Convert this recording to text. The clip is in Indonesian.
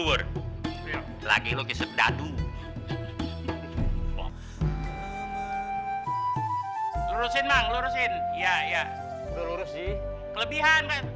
wa barokatan fil jasad